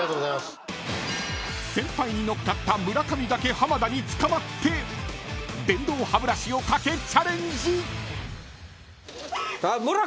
［先輩に乗っかった村上だけ浜田につかまって電動歯ブラシをかけチャレンジ］